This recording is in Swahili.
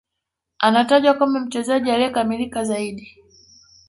Anatajwa kama mchezaji aliyekamilika zaidi